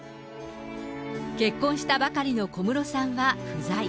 結婚したばかりの小室さんは不在。